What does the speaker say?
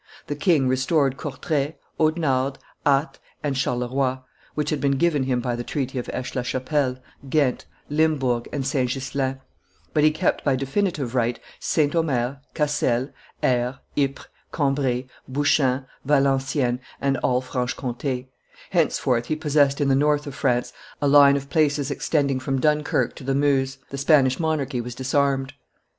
The king restored Courtray, Audenarde, Ath, and Charleroi, which had been given him by the treaty of Aix la Chapelle, Ghent, Linmburg, and St. Ghislain; but he kept by definitive right St. Omer, Cassel, Aire, Ypres, Cambray, Bouchain, Valenciennes, and all Franche Comte; henceforth he possessed in the north of France a line of places extending from Dunkerque to the Meuse; the Spanish monarchy was disarmed.